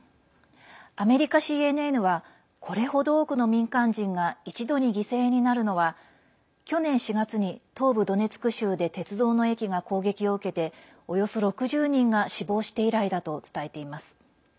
アメリカＣＮＮはこれ程、多くの民間人が一度に犠牲になるのは去年４月に東部ドネツク州で鉄道の駅が攻撃を受けておよそ６０人が死亡して以来だと伝えています。